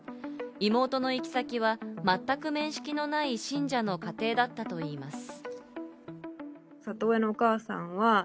妹の行き先は全く面識のない信者の家庭だったといいます。